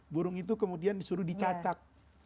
burung itu kemudian disuruh dicacak